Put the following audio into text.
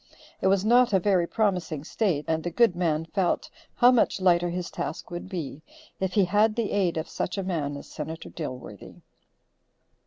It was not a very promising state, and the good man felt how much lighter his task would be, if he had the aid of such a man as Senator Dilworthy.